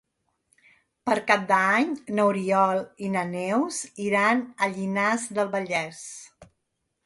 Per Cap d'Any n'Oriol i na Neus iran a Llinars del Vallès.